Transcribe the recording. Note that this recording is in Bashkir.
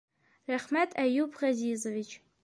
Рәхмәт, Әйүп Ғәзизович.